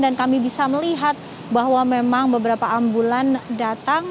dan kami bisa melihat bahwa memang beberapa ambulan datang